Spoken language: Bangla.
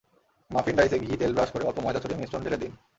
মাফিন ডাইসে ঘি-তেল ব্রাশ করে অল্প ময়দা ছড়িয়ে মিশ্রণ ঢেলে দিন।